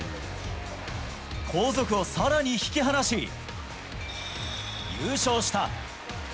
後続をさらに引き離し、優勝した。